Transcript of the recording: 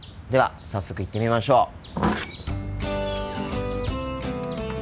では早速行ってみましょう。